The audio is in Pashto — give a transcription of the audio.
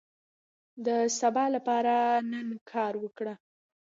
د سبا لپاره نن کار وکړئ.